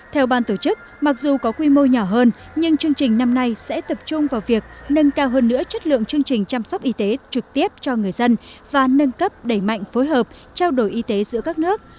theo ban tổ chức mặc dù có quy mô nhỏ hơn nhưng chương trình năm nay sẽ tập trung vào việc nâng cao hơn nữa chất lượng chương trình chăm sóc y tế trực tiếp cho người dân và nâng cấp đẩy mạnh phối hợp trao đổi y tế giữa các nước